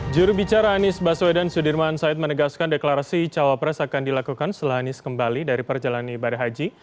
jurubicara anies baswedan sudirman said menegaskan deklarasi cawapres akan dilakukan setelah anies kembali dari perjalanan ibadah haji